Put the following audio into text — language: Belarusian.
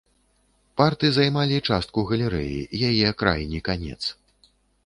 Парты займалі частку галерэі, яе крайні канец.